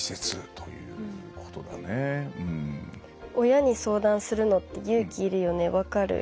「親に相談するのって勇気いるよねわかる。